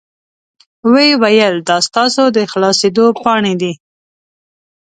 وې ویل دا ستاسو د خلاصیدو پاڼې دي.